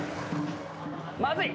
まずい！